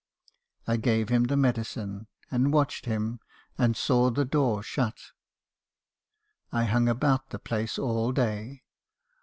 "I gave him the medicine , and watched him in, and saw the door shut. I hung about the place all day.